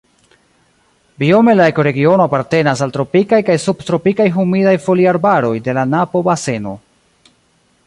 Biome la ekoregiono apartenas al tropikaj kaj subtropikaj humidaj foliarbaroj de la Napo-baseno.